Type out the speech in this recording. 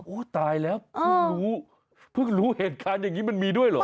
ตายแล้วเพิ่งรู้เพิ่งรู้เหตุการณ์อย่างนี้มันมีด้วยเหรอ